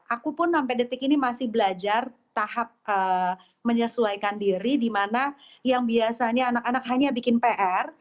aku pun sampai detik ini masih belajar tahap menyesuaikan diri di mana yang biasanya anak anak hanya bikin pr